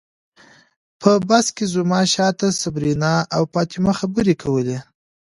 په بس کې زما شاته صبرینا او فاطمه خبرې کولې.